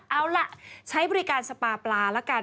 เอาล่ะใช้บริการสปาปลาละกัน